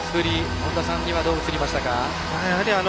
本田さんにはどう映りましたか？